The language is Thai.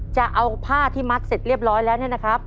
จะเอาผ้าที่มัดเสร็จเรียบร้อยแล้วเนี่ยนะครับ